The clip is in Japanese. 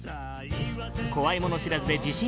怖いもの知らずで自信